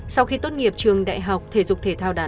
sau khi tốt nghiệp trường đại học thể dục thể thao đại học